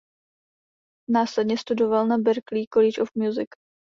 Následně studoval na Berklee College of Music.